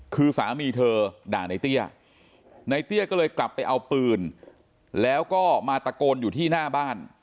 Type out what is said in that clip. คือสามีเธอด่าในเตี้ยในเตี้ยก็เลยกลับไปเอาปืนแล้วก็มาตะโกนอยู่ที่หน้าบ้าน